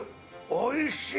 おいしい！